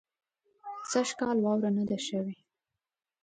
سږ کال واوره نۀ ده شوې